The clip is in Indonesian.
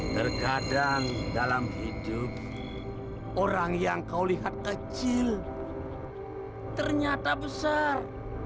terkadang dalam hidup orang yang kau lihat kecil ternyata besar